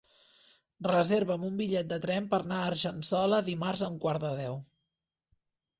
Reserva'm un bitllet de tren per anar a Argençola dimarts a un quart de deu.